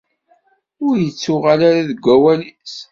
Ur ittuɣal ara deg wawal-is.